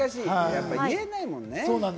やっぱ言えないもんね。